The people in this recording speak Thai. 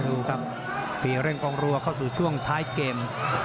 ดูครับมีเร่งกองรัวเข้าสู่ช่วงท้ายเกม